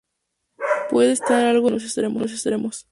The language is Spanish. Puede estar algo embebida en los extremos.